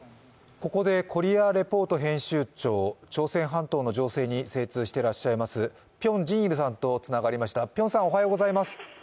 ここでコリア・レポート編集長、朝鮮半島の情勢に精通していらっしゃる辺真一さんとつながりました。